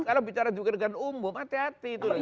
kalau bicara juga dengan umbo hati hati itu